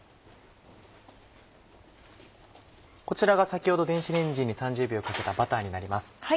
こちらが先ほど電子レンジに３０秒かけたバターになります。